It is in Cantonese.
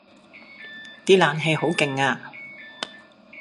啲冷氣好勁呀